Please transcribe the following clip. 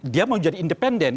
dia mau jadi independen